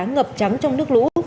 ngập trắng trong nước lũ